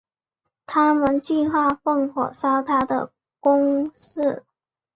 他们计划放火烧他的宫室。